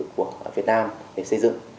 của việt nam để xây dựng